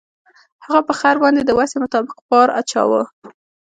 هغه په خر باندې د وسې مطابق بار اچاوه.